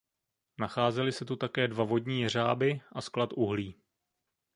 Nacházely se tu také dva vodní jeřáby a sklad uhlí.